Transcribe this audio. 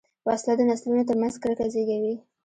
وسله د نسلونو تر منځ کرکه زېږوي